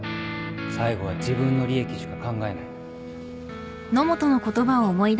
最後は自分の利益しか考えない